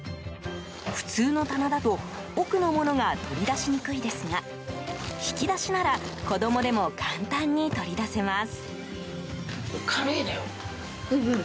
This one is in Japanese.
普通の棚だと奥の物が取り出しにくいですが引き出しなら子供でも簡単に取り出せます。